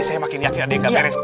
saya makin yakin ada yang gak beres